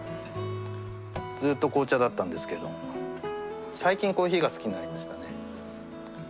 ずっと紅茶だったんですけど最近コーヒーが好きになりましたね。